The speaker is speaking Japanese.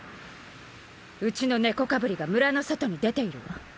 うちの猫かぶりが村の外に出ているわ。